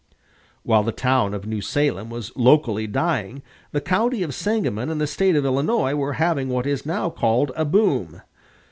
While the town of New Salem was locally dying, the county of Sangamon and the State of Illinois were having what is now called a boom.